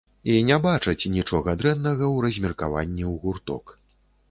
І не бачаць нічога дрэннага ў размеркаванні ў гурток.